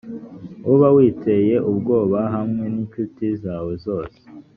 uba witeye ubwoba hamwe n’incuti zawe zose